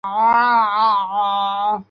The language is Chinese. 正因为是他我才愿意